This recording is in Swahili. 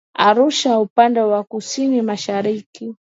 Arusha upande wa kusini mashariki